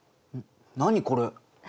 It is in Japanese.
何これ？